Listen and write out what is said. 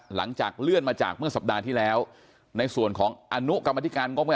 หลังจากเลื่อนมาจากเมื่อสัปดาห์ที่แล้วในส่วนของอนุกรรมธิการก็ไม่